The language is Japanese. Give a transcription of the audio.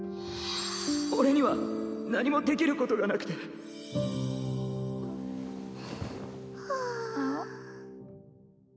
俺には何もできることがなくてはぁ。